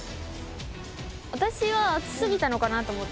私は熱すぎたのかなと思った。